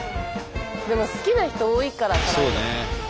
でも好きな人多いから辛いの。